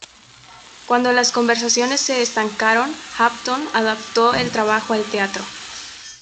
Cuando las conversaciones se estancaron, Hampton adaptó el trabajo al teatro.